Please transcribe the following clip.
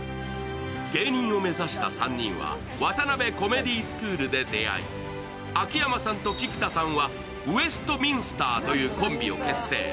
芸人を目指した３人はワタナベコメディスクールで出会い、秋山さんと菊田さんはウエストミンスターというコンビを結成。